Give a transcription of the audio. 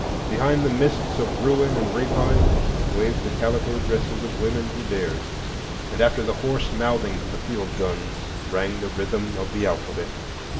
Behind the mists of ruin and rapine waved the calico dresses of women who dared, and after the hoarse mouthings of the field guns rang the rhythm of the alphabet.